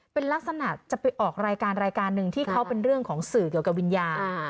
เป็นลักษณะจะไปออกรายการรายการหนึ่งที่เขาเป็นเรื่องของสื่อเกี่ยวกับวิญญาณ